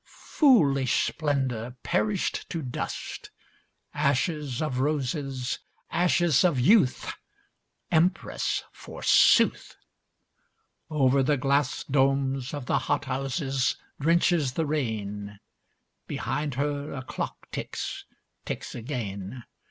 Foolish splendour, perished to dust. Ashes of roses, ashes of youth. Empress forsooth! Over the glass domes of the hot houses drenches the rain. Behind her a clock ticks ticks again.